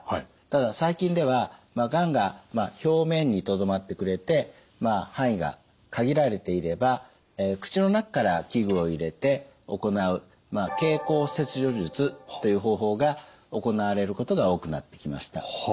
ただ最近ではがんが表面にとどまってくれて範囲が限られていれば口の中から器具を入れて行う経口切除術という方法が行われることが多くなってきました。